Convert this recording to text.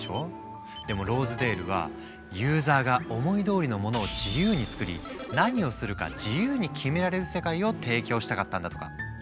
でもローズデールは「ユーザーが思いどおりのものを自由に作り何をするか自由に決められる世界」を提供したかったんだとか。